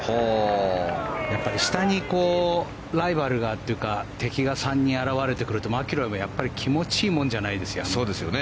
下にライバルがというか敵が３人現れてくるとマキロイも気持ちいいものじゃないですよ。